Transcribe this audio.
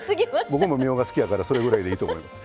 僕もみょうが好きやからそれぐらいでいいと思います。